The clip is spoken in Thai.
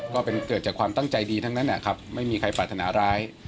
เกิดจากความตั้งใจดีทั้งนั้นนะครับไม่มีใครปรารถนาร้าย